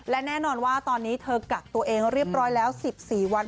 และแน่นอนว่าตอนนี้เธอกักตัวเองเรียบร้อยแล้ว๑๔วัน